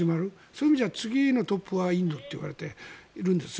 そういう意味じゃ次のトップはインドといわれているんです。